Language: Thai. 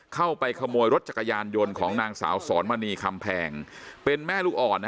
เข้าไปขโมยรถจักรยานยนต์ของนางสาวสอนมณีคำแพงเป็นแม่ลูกอ่อนนะ